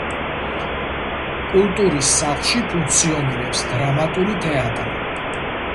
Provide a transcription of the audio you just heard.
კულტურის სახლში ფუნქციონირებს დრამატული თეატრი.